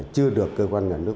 chưa được cơ quan nhà nước